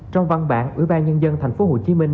trong văn bản ủy ban nhân dân thành phố hồ chí minh